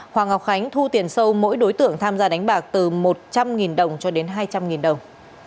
hoàng ngọc khánh thu tiền sâu mỗi đối tượng tham gia đánh bạc từ một trăm linh đồng cho đến hai trăm linh đồng